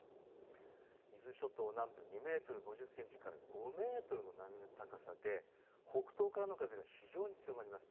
伊豆諸島南部２メートル５０センチから５メートルの波の高さで北東からの風が非常に強まります。